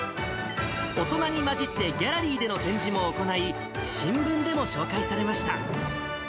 大人に交じってギャラリーでの展示も行い、新聞でも紹介されました。